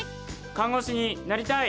看護師になりたい！